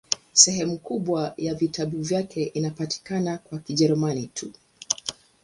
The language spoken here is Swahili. Sehemu kubwa ya vitabu vyake inapatikana kwa Kijerumani tu.